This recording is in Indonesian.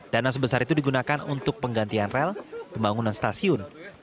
dana sebesar itu digunakan untuk penggantian rel pembangunan stasiun